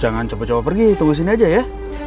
jangan cepet cepet pergi tunggu di sini aja ya